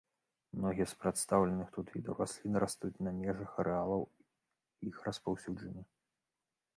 Многія з прадстаўленых тут відаў раслін растуць на межах арэалаў іх распаўсюджання.